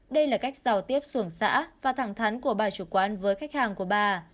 đây là cách giao tiếp xuồng xã và thẳng thắn của bà chủ quán với khách hàng của bà